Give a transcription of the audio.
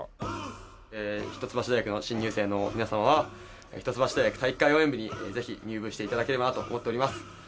一橋大学の新入生の皆さんは一橋大学体育会應援部にぜひ入部して頂ければなと思っております。